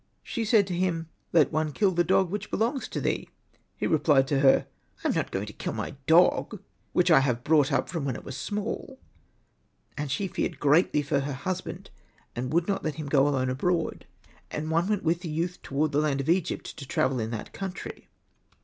She said to him, ''Let one kill the dog which belongs to thee." He repHed to her, '' I am not going to kill my dog, which I have brought up from when it was small." And she feared greatly for her husband, and would not let him go alone abroad. And one went with the youth toward the land of Egypt, to travel in that country.